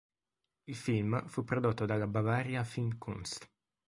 Il film fu prodotto dalla Bavaria-Filmkunst.